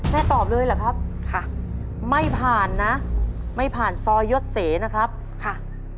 ตอบเลยเหรอครับค่ะไม่ผ่านนะไม่ผ่านซอยยศเสนะครับค่ะ